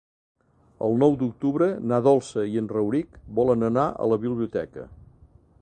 El nou d'octubre na Dolça i en Rauric volen anar a la biblioteca.